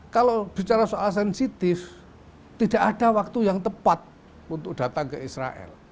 kalau bicara soal sensitif tidak ada waktu yang tepat untuk datang ke israel